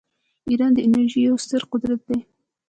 ایران د انرژۍ یو ستر قدرت دی.